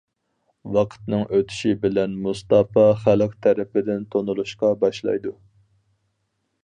ۋاقىتنىڭ ئۆتۈشى بىلەن مۇستاپا خەلق تەرىپىدىن تونۇلۇشقا باشلايدۇ.